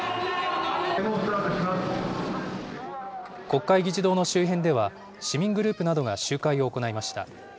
国会議事堂の周辺では、市民グループなどが集会を行いました。